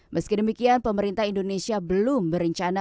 meski demikian pemerintah indonesia belum berencana